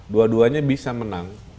dua duanya bisa menang